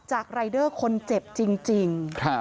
รายเดอร์คนเจ็บจริง